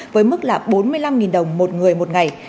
với mức là bốn mươi năm đồng một người một ngày